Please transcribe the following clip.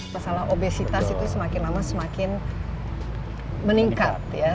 masalah obesitas itu semakin lama semakin meningkat ya